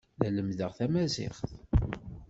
La lemmdeɣ tamaziɣt.